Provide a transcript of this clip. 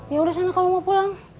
ya udah sana kalau mau pulang